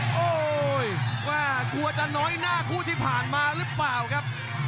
โอ้โหว่ากลัวจะน้อยหน้าคู่ที่ผ่านมาหรือเปล่าครับ